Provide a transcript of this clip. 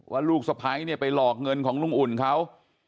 ลูกสะพ้ายเนี่ยไปหลอกเงินของลุงอุ่นเขา